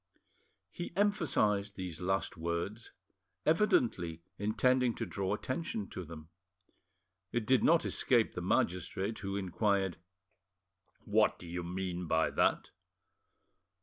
He emphasised these last words, evidently intending to draw attention to them. It did not escape the magistrate, who inquired— "What do you mean by that?"